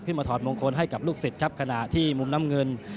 มาถอดมงคลให้กับลูกศิษย์ครับขณะที่มุมน้ำเงิน